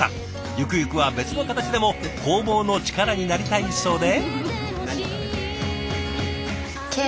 ゆくゆくは別の形でも工房の力になりたいそうで。